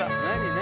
何？